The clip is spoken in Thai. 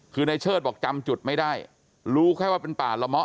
คือในเชิดบอกจำจุดไม่ได้รู้แค่ว่าเป็นป่าละเมาะ